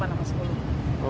delapan atau sepuluh